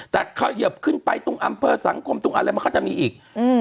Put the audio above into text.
แต่เขาเหยียบขึ้นไปตรงอัมเฟิร์ตสังคมตรงอันอะไรเขาก็จะมีอีก